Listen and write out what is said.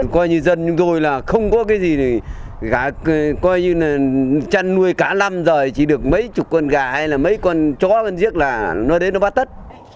coi như dân chúng tôi là không có cái gì thì gà coi như là chăn nuôi cả năm rồi chỉ được mấy chục con gà hay là mấy con chó con giết là nói đến nó bắt tất